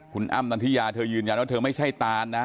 คุณอ้ำนันทิยาเธอยืนยันว่าเธอไม่ใช่ตานนะ